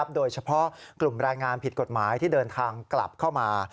โดยเฉพาะกลุ่มแรงงานผิดกฎหมายที่เดินทางกลับเข้ามา